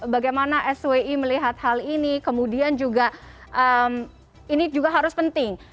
bagaimana swi melihat hal ini kemudian juga ini juga harus penting